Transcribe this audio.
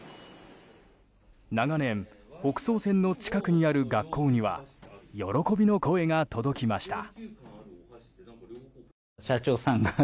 長年、北総線の近くにある学校には喜びの声が届きました。